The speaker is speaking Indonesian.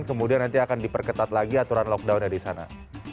kemudian nanti akan diperketat lagi aturan lockdownnya di sana